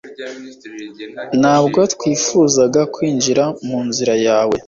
ntabwo twifuzaga kwinjira mu nzira yawe